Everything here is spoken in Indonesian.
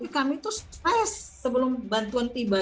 kami itu stres sebelum bantuan tiba